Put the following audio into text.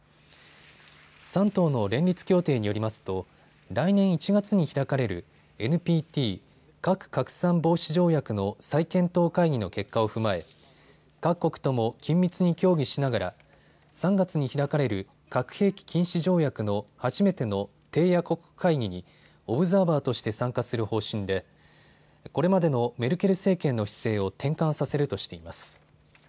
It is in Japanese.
３党の連立協定によりますと来年１月に開かれるＮＰＴ・核拡散防止条約の再検討会議の結果を踏まえ各国とも緊密に協議しながら３月に開かれる核兵器禁止条約の初めての締約国会議にオブザーバーとして参加する方針でこれまでのメルケル政権の姿勢を転換させるとしています。